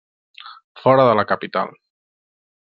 Fora de la capital.